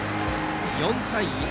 ４対１。